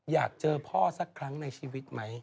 อยากเจอพ่อสักครั้งในชีวิตไหม